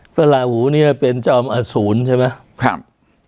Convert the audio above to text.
พระลาหูเป็นจอมอสูรใช่ไหม